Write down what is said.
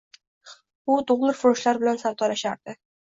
U dollarfurushlar bilan savdolashardi.